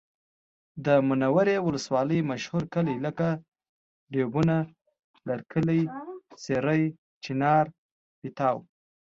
د منورې ولسوالۍ مشهور کلي لکه ډوبونه، لرکلی، سېرۍ، چینار، پیتاو